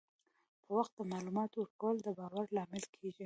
په وخت د معلوماتو ورکول د باور لامل کېږي.